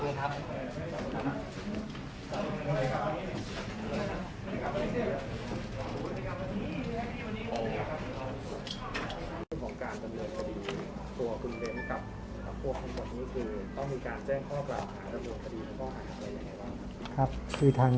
คุณของการศึกษาดีตัวกลุ่มเต็มกับกับพวกทั้งบนนี้คือต้องมีการแจ้งข้อ